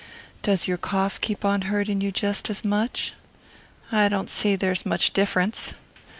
"Does your cough keep on hurting you jest as much?" "I don't see's there's much difference."